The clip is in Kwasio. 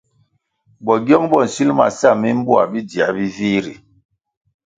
Bogyong bo nsil ma sa mimboa bidziē bi vih ri.